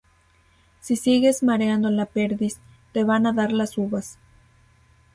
Si sigues mareando la perdiz, te van a dar las uvas